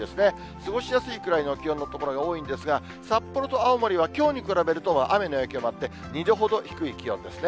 過ごしやすいくらいの気温の所が多いんですが、札幌と青森はきょうに比べると、雨の影響もあって、２度ほど低い気温ですね。